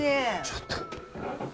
ちょっと。